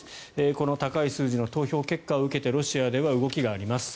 この高い数字の投票結果を受けてロシアでは動きがあります。